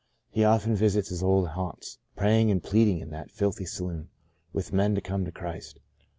He often visits his old haunts — praying and pleading, in that filthy saloon, with men to come to Christ.